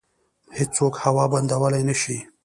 هیڅوک هوا بندولی نشي.